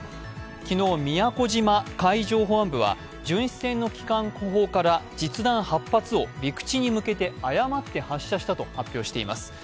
昨日、宮古島海上保安部は巡視船の機関砲から実弾８発を陸地に向けて誤って発射したと発表しています。